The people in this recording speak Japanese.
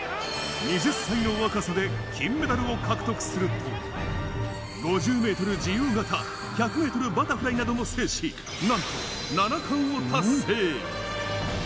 ２０歳の若さで金メダルを獲得すると、５０メートル自由形、１００メートルバタフライなどを制し、なんと７冠を達成。